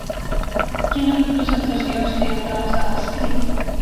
Quines representacions teatrals ha escrit?